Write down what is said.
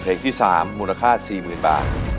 เพลงที่๓มูลค่า๔๐๐๐บาท